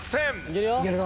いけるぞ！